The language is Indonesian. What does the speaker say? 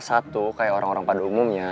satu kayak orang orang pada umumnya